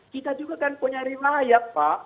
kita juga kan punya riwayat pak